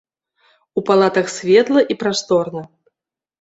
У палатах светла і прасторна.